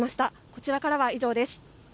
こちらからは以上です。